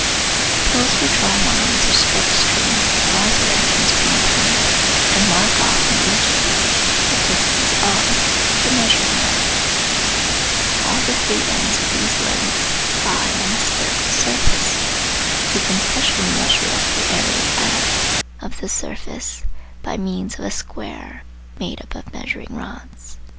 Suppose we draw lines or stretch strings in all directions from a point, and mark off from each of these the distance r with a measuring rod. All the free end points of these lengths lie on a spherical surface. We can specially measure up the area (F) of this surface by means of a square made up of measuring rods.